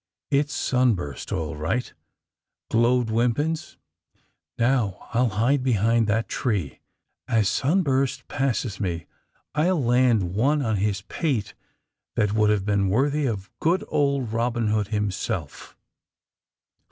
''^It's Sunburst, all right!" glowed Wimpins. Now, I'll hide behind that tree. As Sunburst passes me I'll land one on his pate that would have been worthy of good old Eobin Hood him self.